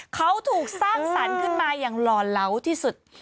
เขาถูกสร้างสรรค์ขึ้นมาอย่างหล่อเหลาที่สุด